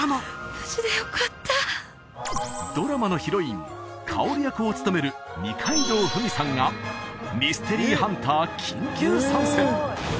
無事でよかったドラマのヒロイン薫役を務める二階堂ふみさんがミステリーハンター緊急参戦！